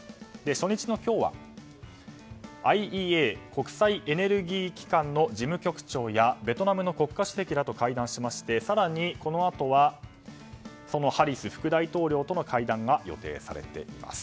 初日の今日はＩＥＡ・国際エネルギー機関の事務局長やベトナムの国家主席らと会談して更にこのあとハリス副大統領との会談が予定されています。